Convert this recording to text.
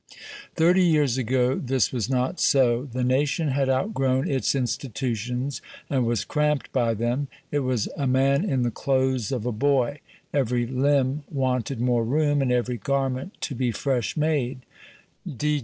Thirty years ago this was not so. The nation had outgrown its institutions, and was cramped by them. It was a man in the clothes of a boy; every limb wanted more room, and every garment to be fresh made.